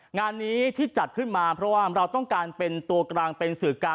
งานนี้ที่จัดขึ้นมาเพราะว่าเราต้องการเป็นตัวกลางเป็นสื่อการ